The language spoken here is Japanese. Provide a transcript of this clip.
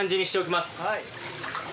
はい。